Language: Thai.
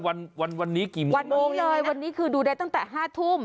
วันวันวันนี้กี่โมงวันนี้เลยวันนี้คือดูได้ตั้งแต่ห้าทุ่ม